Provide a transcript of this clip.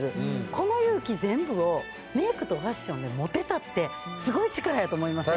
この勇気全部をメイクとファッションで持てたってすごい力やと思いません？